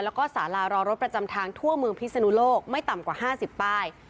แล้วก็สารารอรถประจำทางทั่วเมืองพิศนุโลกไม่ต่ำกว่า๕๐ป้าย